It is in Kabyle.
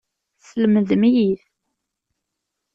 Teslemdem-iyi-t.